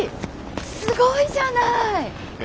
すごいじゃない！え？